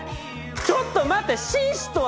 ちょっと待て！